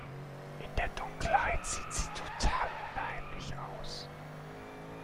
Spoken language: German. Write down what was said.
In der Dunkelheit sieht sie total unheimlich aus.